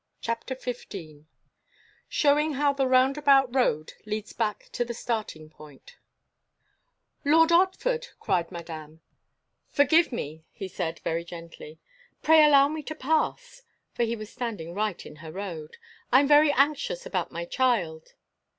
*CHAPTER XV* *SHOWING HOW THE ROUNDABOUT ROAD LEADS BACK TO THE STARTING POINT* [Illustration: Chapter XV headpiece] "Lord Otford!" cried Madame. "Forgive me," he said, very gently. "Pray allow me to pass!" for he was standing right in her road. "I am very anxious about my child."